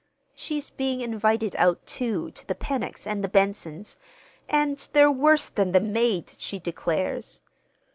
She's being invited out, too, to the Pennocks' and the Bensons'; and they're worse than the maid, she declares.